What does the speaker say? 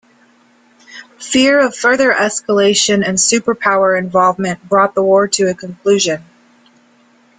Fear of further escalation and superpower involvement brought the war to a conclusion.